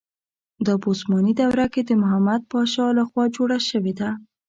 دا په عثماني دوره کې د محمد پاشا له خوا جوړه شوې ده.